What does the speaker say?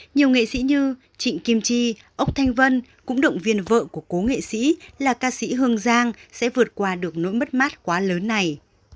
nhiều nghệ sĩ như trịnh kim chi ốc thanh vân cũng động viên vợ của cố nghệ sĩ là ca sĩ hương giang sẽ vượt qua được nỗi mất mát quá lớn này